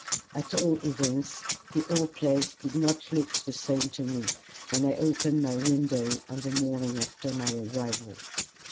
At all events, the old place did not look the same to me when I opened my window on the morning after my arrival.